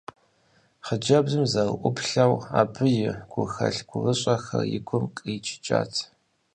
Хъыджэбзым зэрыӏуплъэу, абы и гухэлъ-гурыщӏэхэр и гум къриджыкӏат.